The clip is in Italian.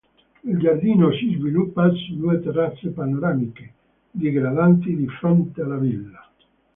Il giardino si sviluppa su due terrazze panoramiche digradanti di fronte alla villa.